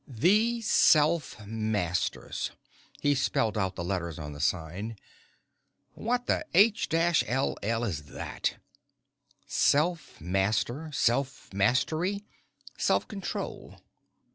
"THE SELF MASTERS" he spelled out the letters on the sign; "What the h ll is that? Self Master Self Mastery Self Control.